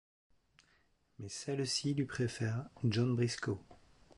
Mais celle-ci lui préfère John Briscoe.